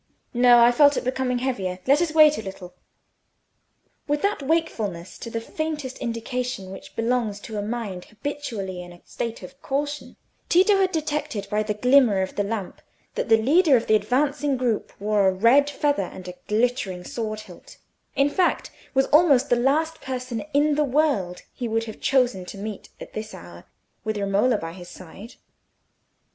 "No: I felt it becoming heavier. Let us wait a little." With that wakefulness to the faintest indication which belongs to a mind habitually in a state of caution, Tito had detected by the glimmer of the lamp that the leader of the advancing group wore a red feather and a glittering sword hilt—in fact, was almost the last person in the world he would have chosen to meet at this hour with Romola by his side.